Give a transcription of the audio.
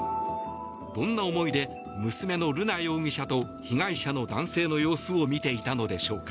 どんな思いで娘の瑠奈容疑者と被害者の男性の様子を見ていたのでしょうか。